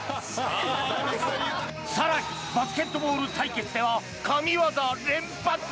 更にバスケットボール対決では神業連発！